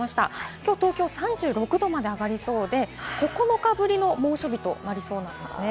きょう東京は３６度まで上がりそうで、９日ぶりの猛暑日となりそうです。